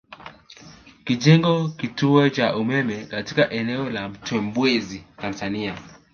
Kujenga kituo cha umeme katika eneo la Mtepwezi Tanzania